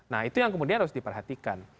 nah itu yang kemudian harus diperhatikan